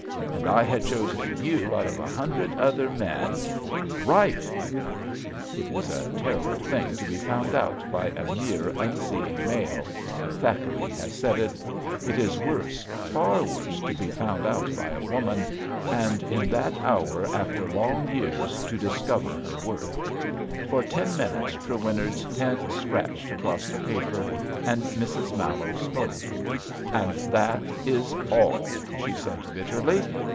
And I had chosen you out of a hundred other ment Write I '' It is a terrible thing to be found out by a mere unseeing male — ^Thackeray has said it. It is worse, far worse, to be found out by a woman, and 162 ABAFT THE FUNNEL in tliat hour after long years to discover her worth. For ten minutes Trewinnard's pen scratched across the paper, and Mrs. Mallowe spoke. And that is all/' she said bitterly.